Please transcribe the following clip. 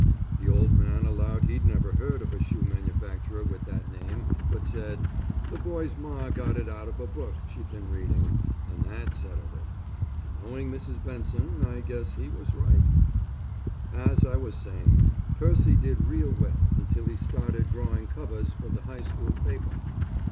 The old man allowed he'd never heard of a shoe manufacturer with that name but said, "The boy's Ma got it out of a book she'd been reading and that settled it." and knowing Mrs. Benson I guess he was right. As I was saying, Percy did real well until he started drawing covers for the high school paper.